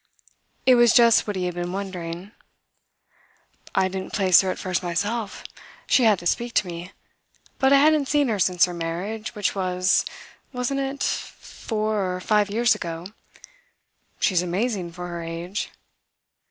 It was just what he had been wondering. "I didn't place her at first myself. She had to speak to me. But I hadn't seen her since her marriage, which was wasn't it? four or five years ago. She's amazing for her age."